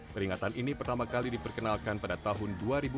peringatan ini pertama kali diperkenalkan pada tahun dua ribu empat